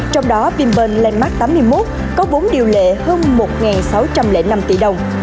trong đó vinpearl landmark tám mươi một có vốn điều lệ hơn một sáu trăm linh năm tỷ đồng